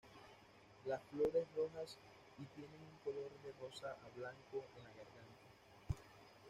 Las flores rojas y tienen un color de rosa a blanco en la garganta.